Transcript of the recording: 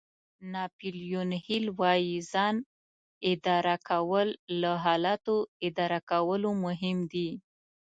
ناپیلیون هېل وایي ځان اداره کول له حالاتو اداره کولو مهم دي.